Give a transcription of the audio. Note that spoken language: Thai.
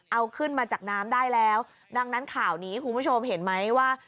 เอาขึ้นมาจากน้ำได้แล้วดังนั้นข่าวนี้คุณผู้ชมเห็นไหมว่า